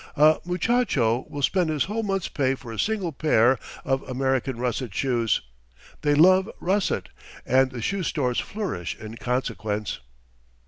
A muchacho will spend his whole month's pay for a single pair of American russet shoes. They love russet, and the shoe stores flourish in consequence."